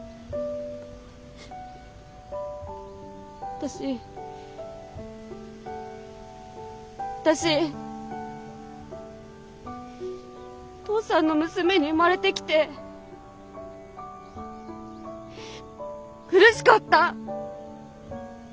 私私お父さんの娘に生まれてきて苦しかった！